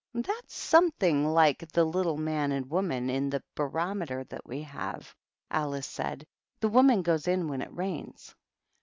"That's something like the little man an( woman in the barometer that we have," Alio said. " The woman goes in when it rains."